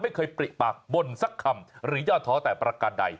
ไม่เคยปริปากบนสักคำหรือยอดท้อแต่ประการใด